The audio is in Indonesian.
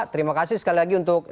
terima kasih sekali lagi untuk